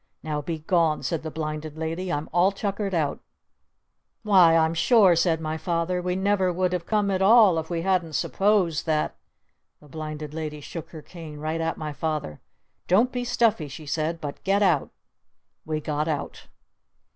Now be gone!" said the Blinded Lady. "I'm all tuckered out!" "Why I'm sure," said my Father, "we never would have come at all if we hadn't supposed that ." The Blinded Lady shook her cane right at my Father. "Don't be stuffy!" she said. "But get out!" We got out.